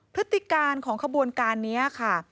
พฤติการของขบวนการนี้ค่ะ